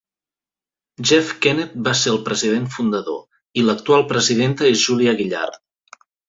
Jeff Kennett va ser el president fundador i l'actual presidenta és Julia Gillard.